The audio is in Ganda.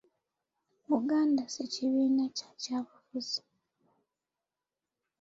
Buganda si kibiina kya byabufuzi